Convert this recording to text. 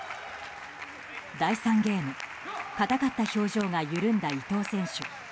第３ゲーム硬かった表情が緩んだ伊藤選手。